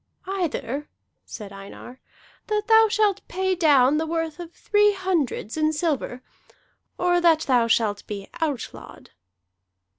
"Either," said Einar, "that thou shalt pay down the worth of three hundreds in silver, or that thou shalt be outlawed."